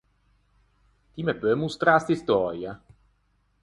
Ti me peu mostrâ st’istöia?